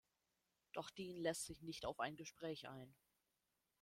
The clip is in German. Doch Dean lässt sich nicht auf ein Gespräch ein.